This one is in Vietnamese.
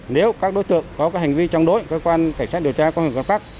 nếu các đối tượng có hành vi chống đối cơ quan cảnh sát điều tra công an huyện cron park